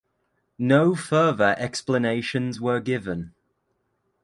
No further explanations were given.